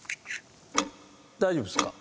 大丈夫ですか？